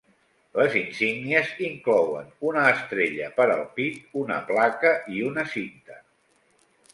Les insígnies inclouen una estrella per al pit, una placa i una cinta.